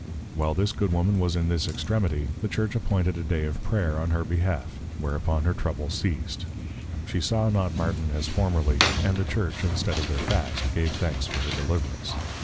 _ While this good Woman was in this extremity, the Church appointed a Day of Prayer, on her behalf; whereupon her Trouble ceas'd; she saw not Martin as formerly; and the Church, instead of their Fast, gave Thanks for her Deliverance.